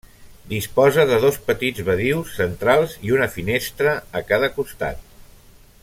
Disposa de dos petits badius centrals i una finestra a cada costat.